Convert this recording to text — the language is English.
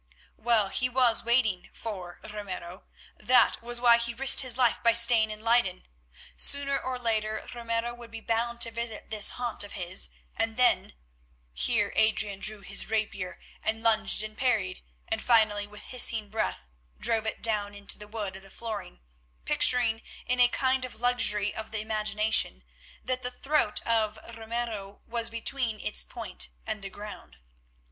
Well, he was waiting for Ramiro. That was why he risked his life by staying in Leyden. Sooner or later Ramiro would be bound to visit this haunt of his, and then—here Adrian drew his rapier and lunged and parried, and finally with hissing breath drove it down into the wood of the flooring, picturing, in a kind of luxury of the imagination, that the throat of Ramiro was between its point and the ground.